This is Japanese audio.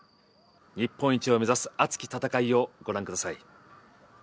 日本一を目指す熱き戦いをご覧ください。